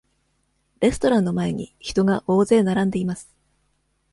レストランの前に、人が大勢並んでいます。